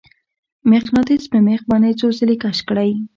مقناطیس په میخ باندې څو ځلې کش کړئ.